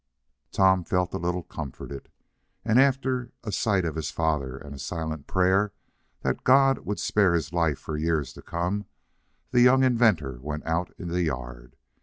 Tom felt a little comforted and, after a sight of his father, and a silent prayer that God would spare his life for years to come, the young inventor went out in the yard.